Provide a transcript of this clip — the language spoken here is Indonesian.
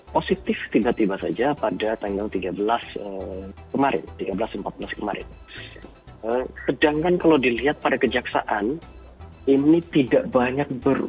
positif tiba tiba saja pada tanggal tiga belas kemarin tiga belas sempat kemarin sedangkan kalau dilihat pada